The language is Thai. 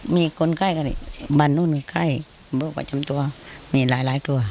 มีคนใกล้บ้านนู้นใกล้โรคประจำตัวมีหลายตัว